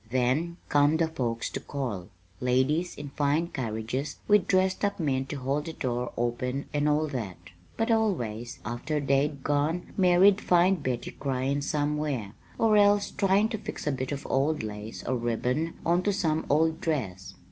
"Then come the folks to call, ladies in fine carriages with dressed up men to hold the door open and all that; but always, after they'd gone, Mary'd find Betty cryin' somewhere, or else tryin' to fix a bit of old lace or ribbon on to some old dress.